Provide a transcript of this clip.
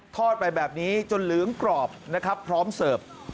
ทอดไปแบบนี้จนเหลืองกรอบนะครับพร้อมเสิร์ฟ